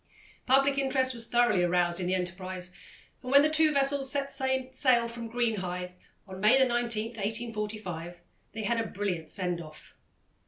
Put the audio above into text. Public interest was thoroughly aroused in the enterprise, and when the two vessels set sail from Greenhithe on May 19, 1845, they had a brilliant send off.